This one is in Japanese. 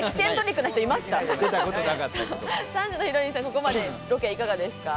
３時のヒロインさん、ここまでロケいかがですか？